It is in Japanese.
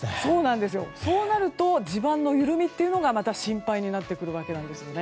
そうなると、地盤のゆるみがまた心配になってくるわけです。